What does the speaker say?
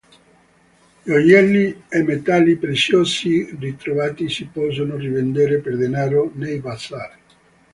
Gioielli e metalli preziosi ritrovati si possono rivendere per denaro nei bazar.